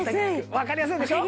わかりやすいでしょ？